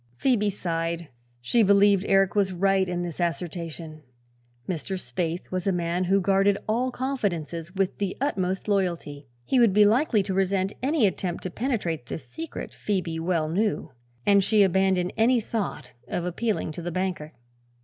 Phoebe sighed. She believed Eric was right in this assertion. Mr. Spaythe was a man who guarded all confidences with the utmost loyalty. He would be likely to resent any attempt to penetrate this secret, Phoebe well knew, and she abandoned any thought of appealing to the banker.